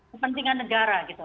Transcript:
kepentingan negara gitu